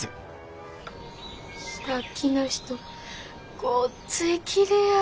さっきの人ごっついきれいやったなあ。